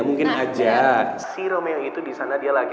mungkin aja si romeo itu disana dia lagi